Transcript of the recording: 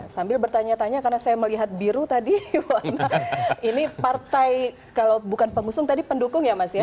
sambil bertanya tanya karena saya melihat biru tadi ini partai kalau bukan pengusung tadi pendukung ya mas ya